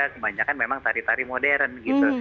kebanyakan memang tari tari modern gitu